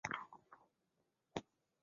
据说这两条河流每个世纪仅流一次。